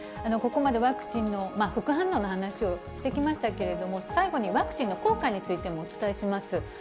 ここまでワクチンの副反応の話をしてきましたけれども、最後に、ワクチンの効果についてもお伝えします。